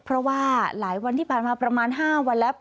เพราะว่าหลายวันที่ผ่านมาประมาณ๕วันแล้ว